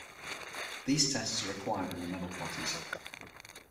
These tests are required in the medal classes.